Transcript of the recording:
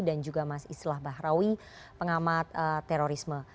dan juga mas islah bahrawi pengamat terorisme